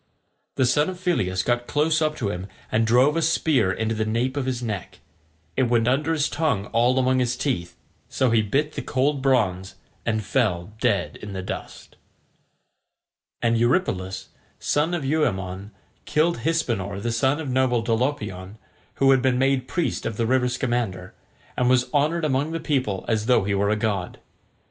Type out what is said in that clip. The son of Phyleus got close up to him and drove a spear into the nape of his neck: it went under his tongue all among his teeth, so he bit the cold bronze, and fell dead in the dust. And Eurypylus, son of Euaemon, killed Hypsenor, the son of noble Dolopion, who had been made priest of the river Scamander, and was honoured among the people as though he were a god.